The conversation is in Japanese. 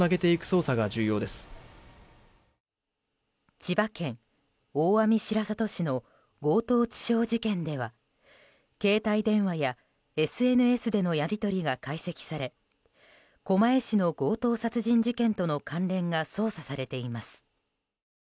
千葉県大網白里市の強盗致傷事件では携帯電話やＳＮＳでのやり取りが解析され狛江市の強盗殺人事件との関連が捜査されています。